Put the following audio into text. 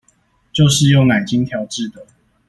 就是用奶精調製的